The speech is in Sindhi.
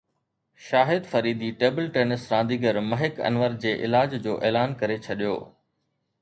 شاهد فريدي ٽيبل ٽينس رانديگر مهڪ انور جي علاج جو اعلان ڪري ڇڏيو